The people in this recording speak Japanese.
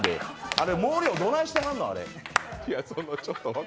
あれ毛量どないしてはんの？